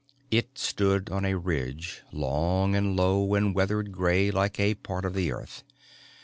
It stood on a ridge, long and low and weathered gray like a part of the earth.